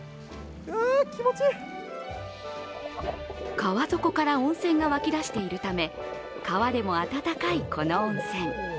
川底から温泉が湧き出しているため川でも暖かいこの温泉。